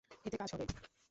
এতে কাজ হবে।